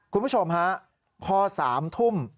คุณผู้ชมฮะพอ๓ทุ่ม